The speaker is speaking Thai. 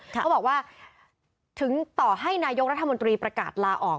เขาบอกว่าถึงต่อให้นายกรัฐมนตรีประกาศลาออก